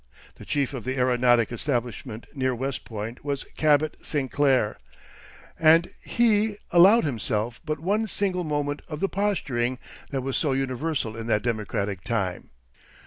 The chief of the aeronautic establishment near West Point was Cabot Sinclair, and he allowed himself but one single moment of the posturing that was so universal in that democratic time.